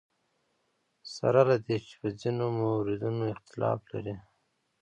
سره له دې چې په ځینو موردونو اختلاف لري.